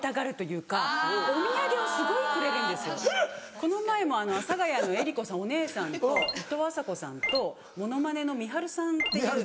・確かに・この前も阿佐ヶ谷の江里子さんお姉さんといとうあさこさんとモノマネのみはるさんっていう。